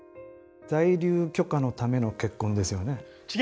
在留許可のための結婚ですよね？